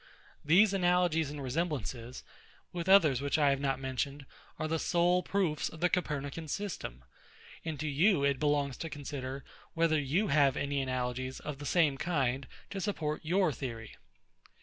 These analogies and resemblances, with others which I have not mentioned, are the sole proofs of the COPERNICAN system; and to you it belongs to consider, whether you have any analogies of the same kind to support your theory.